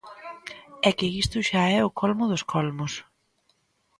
É que isto é xa o colmo dos colmos.